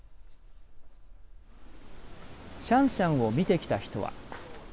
シャンシャンを見てきた人は。